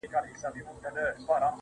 څنگه به هغه له ياده وباسم.